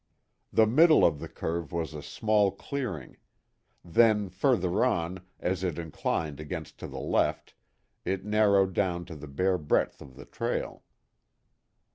The middle of the curve was a small clearing. Then, further on, as it inclined again to the left, it narrowed down to the bare breadth of the trail.